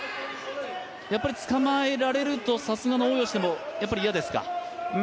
やっぱりつかまえられるとさすがの大吉でもいやですか？